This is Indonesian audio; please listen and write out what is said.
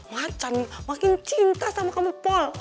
macan makin cinta sama kamu pol